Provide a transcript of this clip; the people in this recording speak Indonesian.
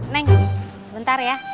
neng sebentar ya